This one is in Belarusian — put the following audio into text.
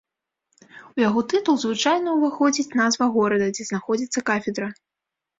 У яго тытул звычайна ўваходзіць назва горада, дзе знаходзіцца кафедра.